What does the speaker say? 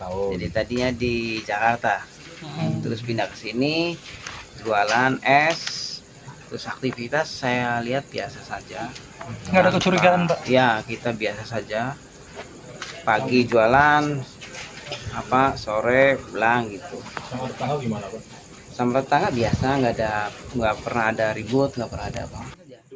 warga mengenal b sebagai pedagang es keliling